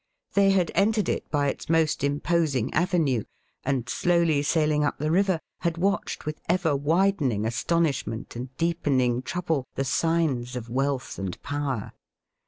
They had entered it by its most imposing avenue, and, slowly sailing up the river, had watched with ever widening astonishment and deepening trouble the signs of wealth and power.